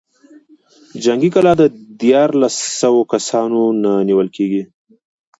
جنګي کلا په ديارلسو سوو کسانو نه نېول کېږي.